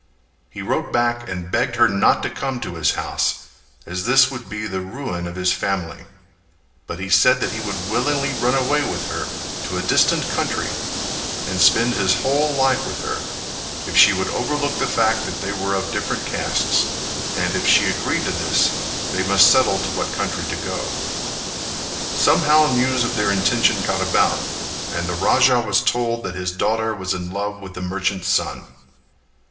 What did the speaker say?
He wrote back and begged her not to come to his house as this would be the ruin of his family; but he said that he would willingly run away with her to a distant country, and spend his whole life with her, if she would overlook the fact that they were of different castes; and if she agreed to this they must settle to what country to go. Somehow news of their intention got about, and the Raja was told that his daughter was in love with the merchant's son.